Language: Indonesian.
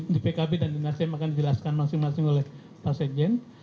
di pkb dan di nasdem akan dijelaskan masing masing oleh pak sekjen